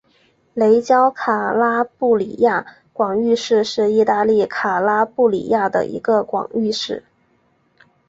雷焦卡拉布里亚广域市是意大利卡拉布里亚的一个广域市。